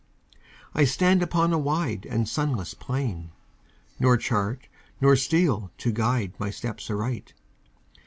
I stand upon a wide and sunless plain, Nor chart nor steel to guide my steps aright.